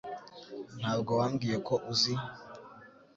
Ntabwo wambwiye ko uzi